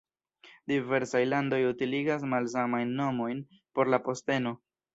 Diversaj landoj utiligas malsamajn nomojn por la posteno.